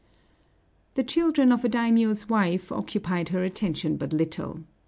The children of a daimiō's wife occupied her attention but little.